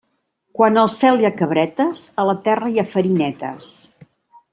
Quan al cel hi ha cabretes, a la terra hi ha farinetes.